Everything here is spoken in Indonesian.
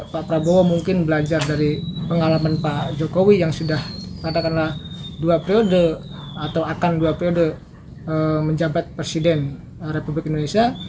pak prabowo mungkin belajar dari pengalaman pak jokowi yang sudah katakanlah dua periode atau akan dua periode menjabat presiden republik indonesia